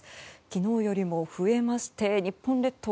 昨日よりも増えまして日本列島